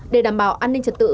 để đảm bảo an ninh trật tự